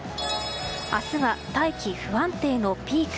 明日は大気不安定のピーク。